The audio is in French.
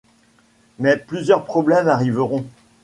Mais plusieurs problèmes arriveront...